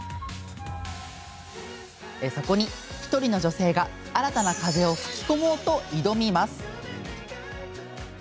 そこに１人の女性が新たな風を吹き込もうと挑みます。